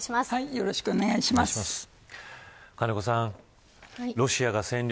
よろしくお願いします。